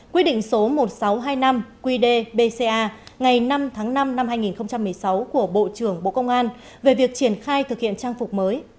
quy định số một nghìn sáu trăm hai mươi năm qd bca ngày năm tháng năm năm hai nghìn một mươi sáu của bộ trưởng bộ công an về việc triển khai thực hiện trang phục mới